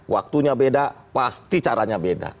waktunya beda pasti caranya beda